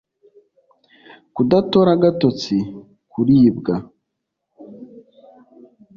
kudatora agatotsi kuribwa